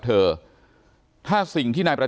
ขอบคุณมากครับขอบคุณมากครับ